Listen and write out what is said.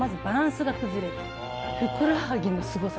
ふくらはぎのすごさ。